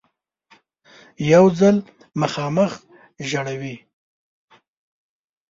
یو ځل خامخا ژړوي .